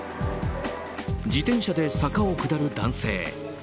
自転車で坂を下る男性。